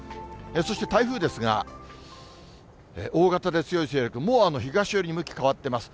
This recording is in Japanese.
そして台風ですが、大型で強い勢力、もう東寄りに向き変わってます。